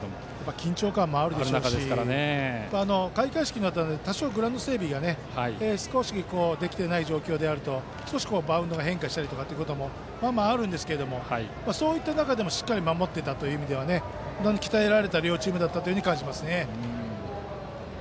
緊張感もあるでしょうし開会式のあとで多少グラウンド整備ができていない状況ですと少しバウンドが変化したりもありますがそういった中でもしっかり守っていたという意味では鍛えられた両チームだったと感じましたね。